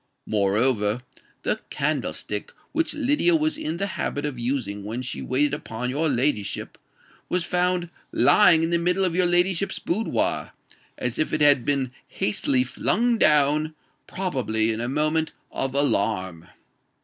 Moreover, the candlestick which Lydia was in the habit of using when she waited upon your ladyship, was found lying in the middle of your ladyship's boudoir, as if it had been hastily flung down—probably in a moment of alarm."